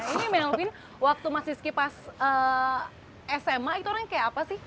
ini melvin waktu mas risky pas sma itu orangnya kayak apa sih